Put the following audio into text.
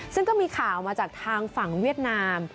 ซึ่งก็มีข่าวมาจากทางฝั่งเวียดนาม